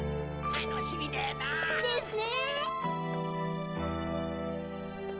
楽しみだよな。ですね。